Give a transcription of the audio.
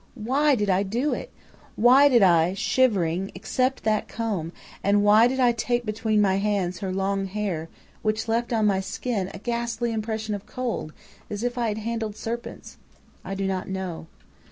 "Why did I do it? Why did I, shivering, accept that comb, and why did I take between my hands her long hair, which left on my skin a ghastly impression of cold, as if I had handled serpents? I do not know.